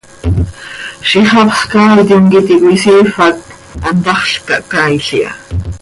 Ziix hapsx caaitim quih íti cöisiifp hac hantaxl cahcaail iha.